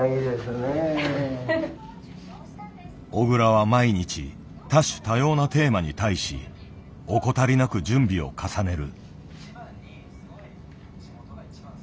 小倉は毎日多種多様なテーマに対し怠りなく準備を重ねる。